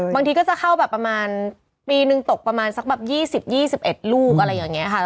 บางทีก็จะเข้าแบบประมาณปีนึงตกประมาณสักแบบ๒๐๒๑ลูกอะไรอย่างนี้ค่ะ